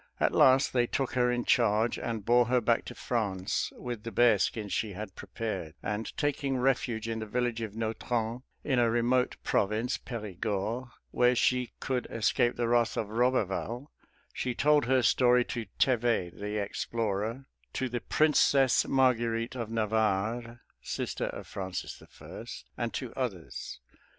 At last they took her in charge, and bore her back to France with the bearskins she had prepared; and taking refuge in the village of Nautron, in a remote province (Perigord), where she could escape the wrath of Roberval, she told her story to Thevet, the explorer, to the Princess Marguerite of Navarre (sister of Francis I.), and to others.